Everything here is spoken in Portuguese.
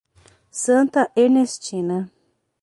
Santa Ernestina